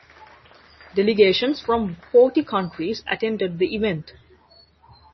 Delegations from forty countries attended the event.